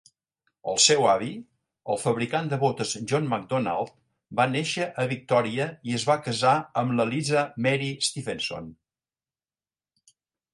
El seu avi, el fabricant de botes John McDonald, va néixer a Victoria i es va casar amb l"Eliza Mary Stevenson.